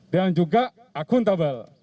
dan juga akuntabel